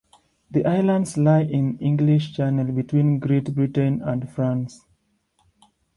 The islands lie in the English Channel between Great Britain and France.